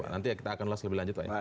nanti ya kita akan ulas lebih lanjut